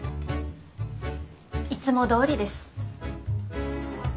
いつもどおりです。